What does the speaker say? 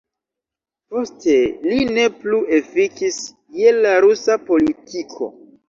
Poste li ne plu efikis je la rusa politiko.